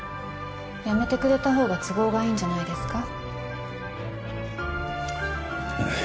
やめてくれたほうが都合がいいんじゃないですか？